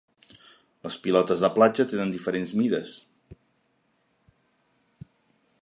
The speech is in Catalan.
Les pilotes de platja tenen diferents mides.